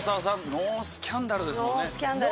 ノースキャンダルですもんね。